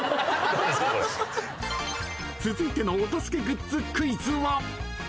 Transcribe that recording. ［続いてのお助けグッズクイズは］